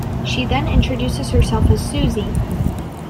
She then introduces herself as Suzee.